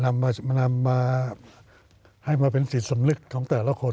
มันนำมาให้มาเป็นสิทธิ์สมลึกของแต่ละคน